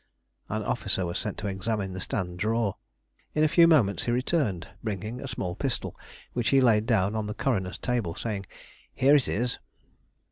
An officer was sent to examine the stand drawer. In a few moments he returned, bringing a small pistol which he laid down on the coroner's table, saying, "Here it is."